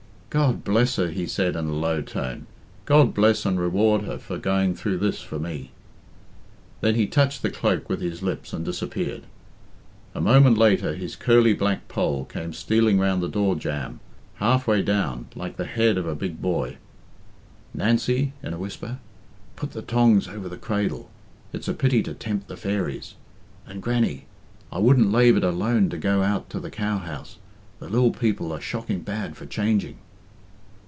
"God bless her!" he said in a low tone. "God bless and reward her for going through this for me!" Then he touched the cloak with his lips and disappeared. A moment later his curly black poll came stealing round the door jamb, half way down, like the head of a big boy. "Nancy," in a whisper, "put the tongs over the cradle; it's a pity to tempt the fairies. And, Grannie, I wouldn't lave it alone to go out to the cow house the lil people are shocking bad for changing."